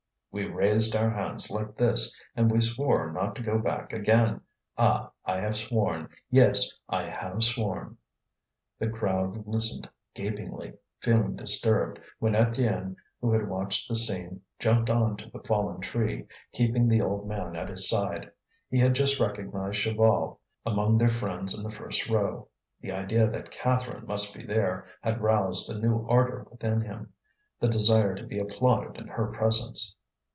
"We raised our hands like this, and we swore not to go back again. Ah! I have sworn; yes, I have sworn!" The crowd listened gapingly, feeling disturbed, when Étienne, who had watched the scene, jumped on to the fallen tree, keeping the old man at his side. He had just recognized Chaval among their friends in the first row. The idea that Catherine must be there had roused a new ardour within him, the desire to be applauded in her presence.